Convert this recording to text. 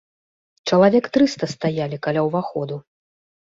Чалавек трыста стаялі каля ўваходу.